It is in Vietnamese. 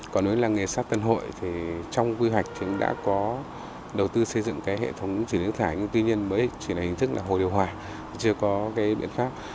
còn đối với làng nghề sát tân hội thì trong quy hoạch chúng đã có đầu tư xây dựng hệ thống xử lý nước thải nhưng tuy nhiên mới chỉ là hình thức là hồi điều hòa chưa có biện pháp